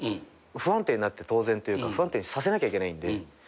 不安定になって当然というか不安定にさせなきゃいけないんで。